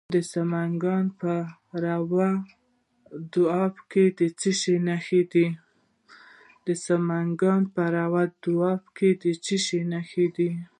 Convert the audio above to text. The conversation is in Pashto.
د سمنګان په روی دو اب کې څه شی شته؟